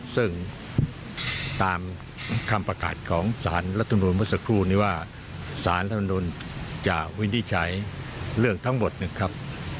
ซึ่งตามคำประกาศของสารรัฐนวลมัศกรุณ์นี้ว่าสารรัฐนวลจะวินิจฉัยเลือกทั้งหมดนะครับ